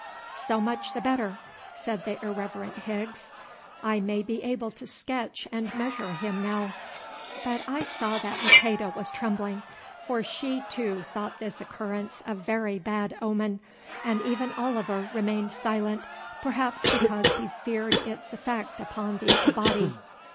"So much the better," said the irreverent Higgs. "I may be able to sketch and measure him now." But I saw that Maqueda was trembling, for she, too, thought this occurrence a very bad omen, and even Oliver remained silent, perhaps because he feared its effect upon the Abati.